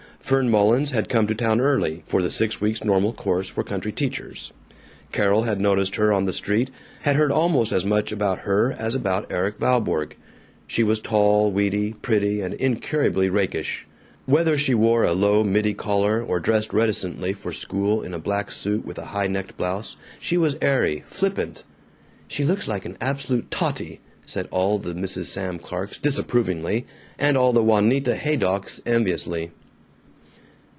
Fern Mullins had come to town early, for the six weeks normal course for country teachers. Carol had noticed her on the street, had heard almost as much about her as about Erik Valborg. She was tall, weedy, pretty, and incurably rakish. Whether she wore a low middy collar or dressed reticently for school in a black suit with a high necked blouse, she was airy, flippant. "She looks like an absolute totty," said all the Mrs. Sam Clarks, disapprovingly, and all the Juanita Haydocks, enviously.